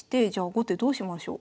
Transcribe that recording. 後手どうしましょう？